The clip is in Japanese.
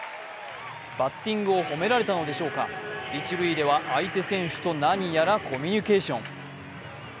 バッティングを褒められたのでしょうか、一塁では相手選手と何やらコミュニケーション。